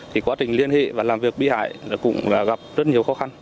thì quá trình liên hệ và làm việc bị hại cũng gặp rất nhiều khó khăn